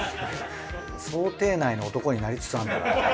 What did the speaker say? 想定内の男になりつつあるのかな。